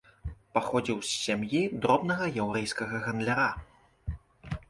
Паходзіў з сям'і дробнага яўрэйскага гандляра.